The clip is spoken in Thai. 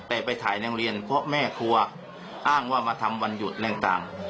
แต่ไปถ่ายในโรงเรียนเพราะแม่ครัวอ้างว่ามาทำวันหยุดอะไรต่าง